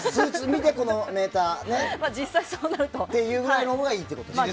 見て、このメーターって言うくらいのほうがいいと。